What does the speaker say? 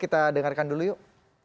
kita dengarkan dulu yuk